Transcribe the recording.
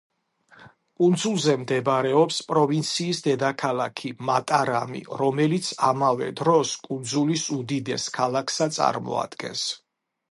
კუნძულზე მდებარეობს პროვინციის დედაქალაქი მატარამი, რომელიც ამავე დროს კუნძულის უდიდეს ქალაქსა წარმოადგენს.